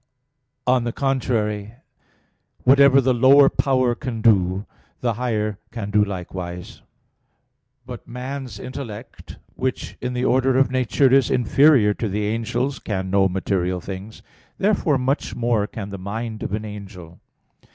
On the contrary, Whatever the lower power can do, the higher can do likewise. But man's intellect, which in the order of nature is inferior to the angel's, can know material things. Therefore much more can the mind of an angel.